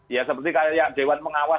ya seperti kayak dewan pengawas